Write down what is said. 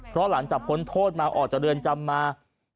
เพราะหลังจากพ้นโทษมาออกจากเรือนจำมา